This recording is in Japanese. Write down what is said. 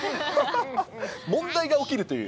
問題が起きるという。